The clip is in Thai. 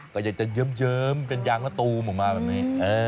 ก็จะยื้อมเป็นยางหัวตูมออกมาแบบนี้